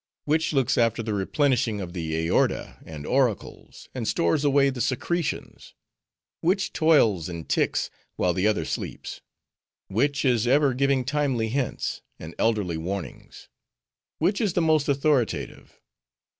which looks after the replenishing of the aorta and auricles, and stores away the secretions? Which toils and ticks while the other sleeps? Which is ever giving timely hints, and elderly warnings? Which is the most authoritative?